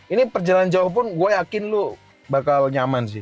ini perjalanan jauh pun gue yakin lu bakal nyaman sih